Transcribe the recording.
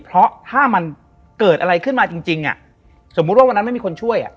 เพราะถ้ามันเกิดอะไรขึ้นมาจริงสมมุติว่าวันนั้นไม่มีคนช่วยอ่ะ